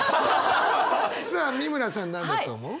さあ美村さん何だと思う？